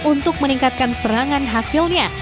untuk meningkatkan serangan hasilnya